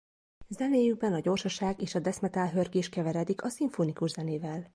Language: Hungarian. Zenéjükben a gyorsaság és a death metal hörgés keveredik a szimfonikus zenével.